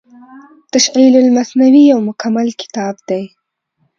تشعيل المثنوي يو مکمل کتاب دی